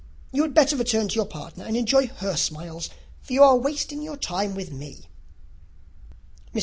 You had better return to your partner and enjoy her smiles, for you are wasting your time with me." Mr.